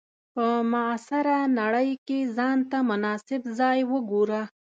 په معاصره نړۍ کې ځان ته مناسب ځای وګورو.